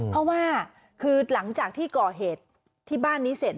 เพราะว่าคือหลังจากที่ก่อเหตุที่บ้านนี้เสร็จ